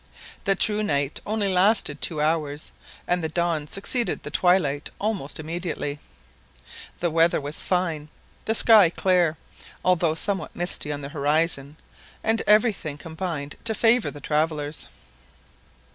The true night only lasted two hours, and the dawn succeeded the twilight almost immediately. The weather was fine; the sky clear, although somewhat misty on the horizon; and everything combined to favour the travellers.